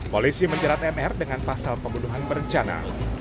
polisi menjerat mr dengan pasal pembunuhan berencana